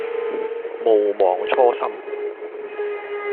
毋忘初心